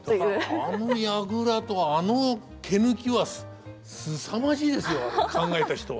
あの櫓とあの毛抜きはすさまじいですよあれ考えた人は。